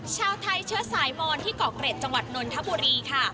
ชาวไทยเชื้อสายมอนที่เกาะเกร็ดจังหวัดนนทบุรีค่ะ